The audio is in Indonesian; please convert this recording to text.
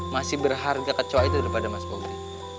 masih berharga kecowanya daripada mas bobby